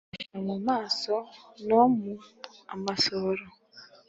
yihisha mu maraso no mu amasohoro